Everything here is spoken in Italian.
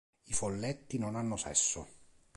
I folletti non hanno sesso.